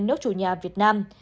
nước chủ nhà việt nam